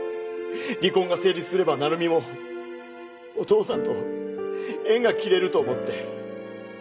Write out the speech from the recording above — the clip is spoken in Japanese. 離婚が成立すれば成美もお義父さんと縁が切れると思って。